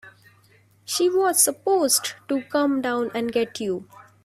She was supposed to come down and get you.